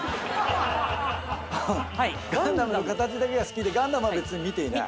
ガンダムの形だけが好きで『ガンダム』は別に見ていない。